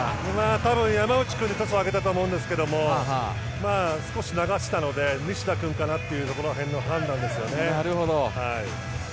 多分、山内君にトスを上げたと思うんですが少し流したので西田君かなというところでの判断ですよね。